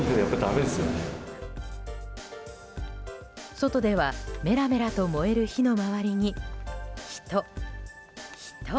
外ではメラメラと燃える火の周りに人、人。